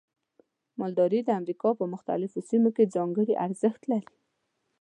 مالداري د امریکا په مختلفو سیمو کې ځانګړي ارزښت لري.